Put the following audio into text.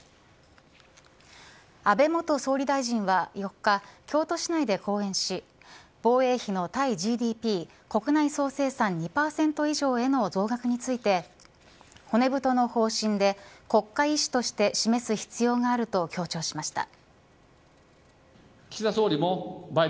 安倍元総理大臣は４日京都市内で講演し防衛費の対ＧＤＰ国内総生産２％以上への増額について骨太の方針で国会意志として示す必要があると強調しました。